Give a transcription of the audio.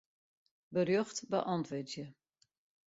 Berjocht beäntwurdzje.